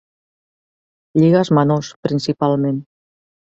Lligues menors, principalment.